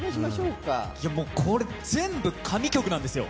これ、全部神曲なんですよ